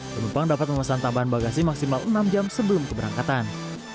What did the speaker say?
penumpang dapat memesan tambahan bagasi maksimal enam jam sebelum keberangkatan